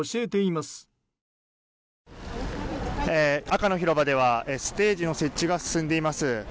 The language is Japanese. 赤の広場ではステージの設置が進んでいます。